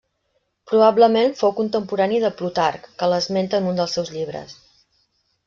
Probablement fou contemporani de Plutarc que l'esmenta en un dels seus llibres.